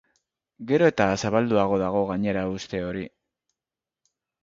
Gero eta zabalduago dago gainera uste hori.